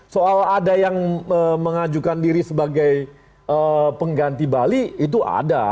soal ada yang mengajukan diri sebagai pengganti bali itu ada